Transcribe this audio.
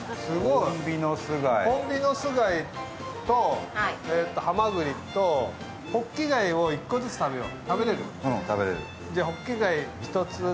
ホンビノス貝と、はまぐりと、ほっき貝を１個ずつ食べよう。